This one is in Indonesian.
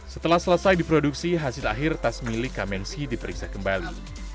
setelah selesai diproduksi hasil akhir tas milik kamensi diperiksa kembali